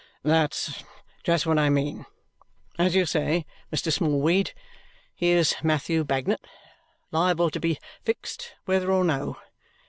"That's just what I mean. As you say, Mr. Smallweed, here's Matthew Bagnet liable to be fixed whether or no.